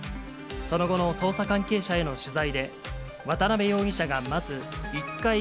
その後の捜査関係者への取材で、渡辺容疑者がまず１階